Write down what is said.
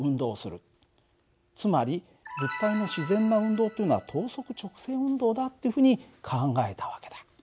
つまり物体の自然な運動というのは等速直線運動だっていうふうに考えた訳だ。